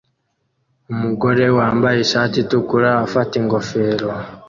Umugabo wambaye ishati itukura afata ingofero